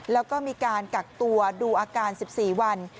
แล้วก็มีการกักตัวดูอาการ๑๔วัน